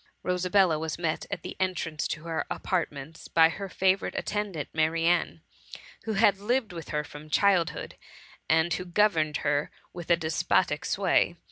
Rosabella was met at the entrance to her apartments by her favourite attendant, Ma rianne, who had lived with her from her childhood, and who governed her with despotic sway.